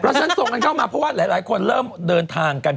เพราะฉะนั้นส่งกันเข้ามาเพราะว่าหลายคนเริ่มเดินทางกัน